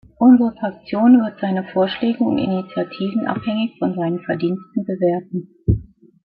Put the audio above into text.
Unsere Fraktion wird seine Vorschläge und Initiativen abhängig von seinen Verdiensten bewerten.